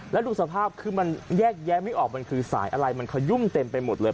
แล้วดูสภาพคือมันแยกแยะไม่ออกมันคือสายอะไรมันขยุ่มเต็มไปหมดเลย